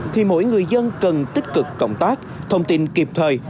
thì mỗi người dân cần tích cực cộng tác thông tin kịp thời